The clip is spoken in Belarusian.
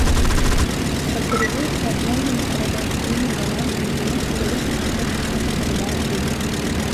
Характарызуецца адмоўным радыяцыйным балансам зімой і вялікім прытокам сонечнай радыяцыі летам.